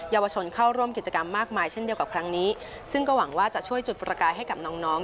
ยาวชนเข้าร่วมกิจกรรมมากมายเช่นเดียวกับครั้งนี้ซึ่งก็หวังว่าจะช่วยจุดประกายให้กับน้องน้อง